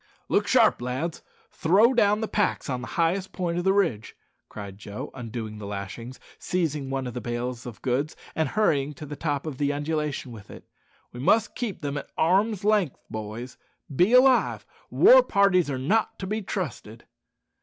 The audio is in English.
"Look sharp, lads! throw down the packs on the highest point of the ridge," cried Joe, undoing the lashings, seizing one of the bales of goods, and hurrying to the top of the undulation with it; "we must keep them at arm's length, boys be alive! War parties are not to be trusted."